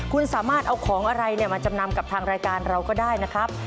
คุณสามารถเอาของอะไรมาจำนำกับทางรายการเราก็ได้นะครับ